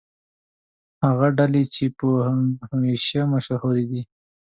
هغه ډلې چې په حشویه مشهورې دي.